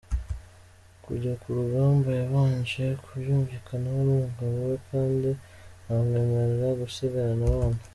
Kujya ku rugamba yabanje kubyumvikanaho n’umugabo we kandi anamwemerera gusigarana abana.